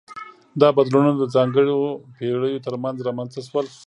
دا بدلونونه د ځانګړو پیړیو ترمنځ رامنځته شول.